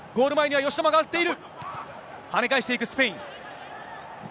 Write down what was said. はね返していくスペイン。